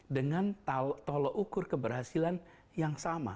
dengan tolok ukur keberhasilan yang sama